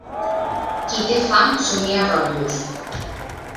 Qui té fam somia rotllos.